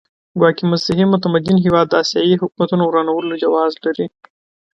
ګواکې مسیحي متمدن هېواد د اسیایي حکومتونو ورانولو جواز لري.